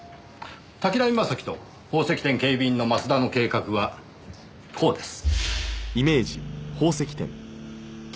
滝浪正輝と宝石店警備員の増田の計画はこうです。